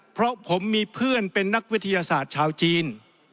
เพราะผมมีเพื่อนเป็นนักวิทยาศาสตร์ชาวจีน